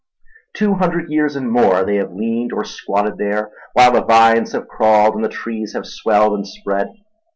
Two hundred years and more they have leaned or squatted there, while the vines have crawled and the trees have swelled and spread.